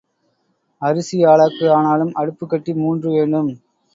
அரிசி ஆழாக்கு ஆனாலும் அடுப்புக்கட்டி மூன்று வேண்டும்.